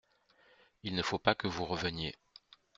Il ne faut pas que vous reveniez.